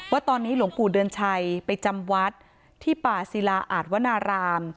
ว่าตอนนี้หลวงปู่เดือนชัยไปจำวัดที่ป่าศิลาอาจวนาราม